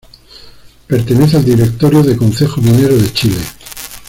Pertenece al directorio de Concejo Minero de Chile.